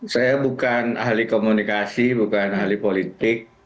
saya bukan ahli komunikasi bukan ahli politik